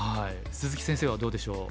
鈴木先生はどうでしょう？